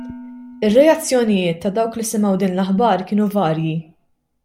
Ir-reazzjonijiet ta' dawk li semgħu din l-aħbar kienu varji.